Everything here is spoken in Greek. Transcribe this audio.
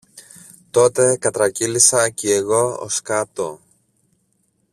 Τότε κατρακύλησα κι εγώ ως κάτω